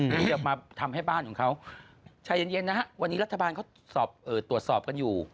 รีบออกมาทำให้บ้านของเขาใจเย็นนะฮะวันนี้รัฐบาลเขาตรวจสอบกันอยู่